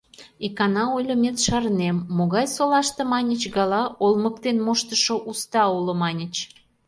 Икана ойлымет шарнем, могай солаште маньыч гала, олмыктен моштышо уста уло, маньыч.